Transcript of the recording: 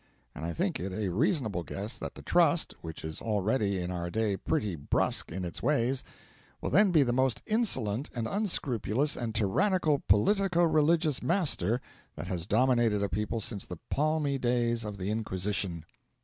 And I think it a reasonable guess that the Trust (which is already in our day pretty brusque in its ways) will then be the most insolent and unscrupulous and tyrannical politico religious master that has dominated a people since the palmy days of the Inquisition.